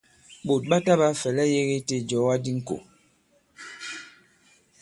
Ɓòt ɓa taɓāa fɛ̀lɛ yēge i tē ìjɔ̀ga di ŋkò.